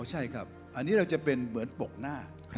ใช่ครับอันนี้เราจะเป็นเหมือนปกหน้า